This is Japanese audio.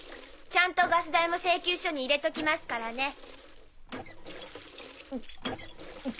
ちゃんとガス代も請求書に入れときますからね。